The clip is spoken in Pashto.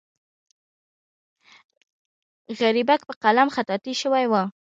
غریبک په قلم خطاطي شوې وه.